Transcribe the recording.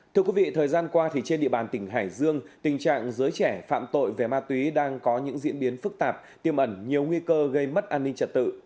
thưa quý vị thời gian qua trên địa bàn tỉnh hải dương tình trạng giới trẻ phạm tội về ma túy đang có những diễn biến phức tạp tiêm ẩn nhiều nguy cơ gây mất an ninh trật tự